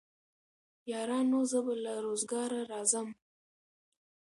يارانو زه به له روزګاره راځم